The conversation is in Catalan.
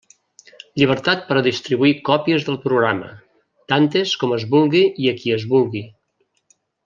Llibertat per a distribuir còpies del programa; tantes com es vulgui i a qui es vulgui.